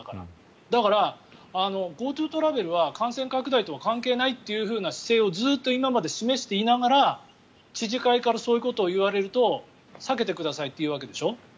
だから、ＧｏＴｏトラベルは感染拡大とは関係ないという姿勢をずっと今まで示していながら知事会からそういうことを言われると避けてくださいと言うわけでしょ。